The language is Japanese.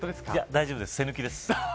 大丈夫です、背抜きです。